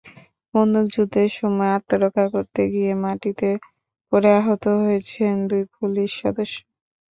বন্দুকযুদ্ধের সময় আত্মরক্ষা করতে গিয়ে মাটিতে পড়ে আহত হয়েছেন দুই পুলিশ সদস্য।